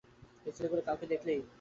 এই ছেলেগুলোর কাউকে দেখলেই, ফোন দেবেন।